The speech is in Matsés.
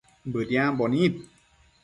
Bëdiambo nid